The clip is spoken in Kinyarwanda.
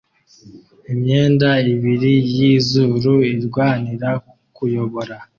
Imyenda ibiri yizuru irwanira kuyobora